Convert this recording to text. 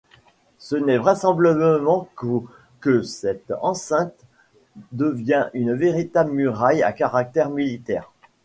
Ce n'est vraisemblablement qu'au que cette enceinte devient une véritable muraille à caractère militaire.